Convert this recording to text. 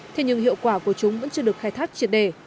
thế nhưng hiệu quả của chúng vẫn chưa được khai thác triệt đề